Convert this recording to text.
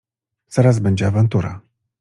Zaraz będzie awantura…